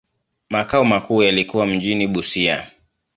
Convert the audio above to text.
Makao makuu yalikuwa mjini Busia.